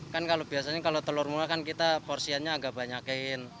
kan kalau biasanya kalau telur murah kan kita porsiannya agak banyakin